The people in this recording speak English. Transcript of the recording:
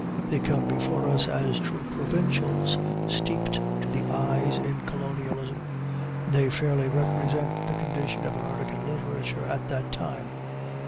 They come before us as true provincials, steeped to the eyes in colonialism, and they fairly represent the condition of American literature at that time.